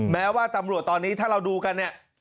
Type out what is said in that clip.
แม้ว่าตำรวจตอนนี้ถ้าเราดูกันเนี่ย